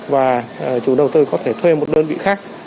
và chủ đầu tư có thể thuê một đơn vị khác